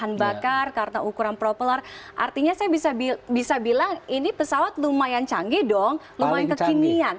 bahan bakar karena ukuran propel artinya saya bisa bilang ini pesawat lumayan canggih dong lumayan kekinian